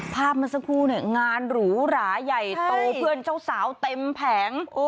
มาสักครู่เนี่ยงานหรูหราใหญ่โตเพื่อนเจ้าสาวเต็มแผง